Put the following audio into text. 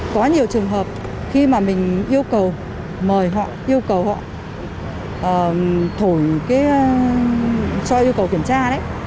quá nhiều trường hợp khi mà mình yêu cầu mời họ yêu cầu họ thổi cho yêu cầu kiểm tra đấy